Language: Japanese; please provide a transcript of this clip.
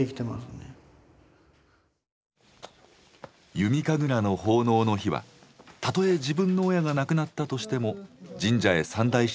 弓神楽の奉納の日はたとえ自分の親が亡くなったとしても神社へ参内しなければなりません。